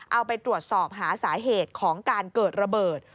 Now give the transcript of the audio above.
เอาไปตรวจสอบหาสาเหตุของการเกิดระเบิด